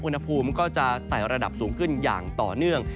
อุณหภูมิก็จะไต่ระดับสูงขึ้นอย่างต่อเนื่อง